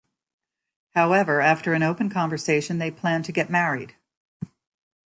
However, after an open conversation they plan to get married.